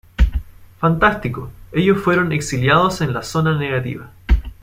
Fantástico, ellos fueron exiliados en la zona negativa.